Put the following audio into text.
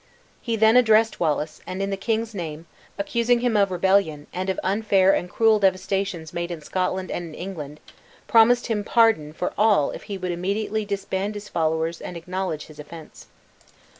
He then addressed Wallace; and in the king's name, accusing him of rebellion, and of unfair and cruel devastations made in Scotland and in England, promised him pardon for all if he would immediately disband his followers and acknowledge his offense.